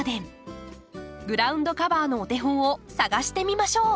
グラウンドカバーのお手本を探してみましょう。